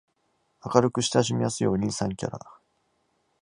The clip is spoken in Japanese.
明るく親しみやすいお兄さんキャラ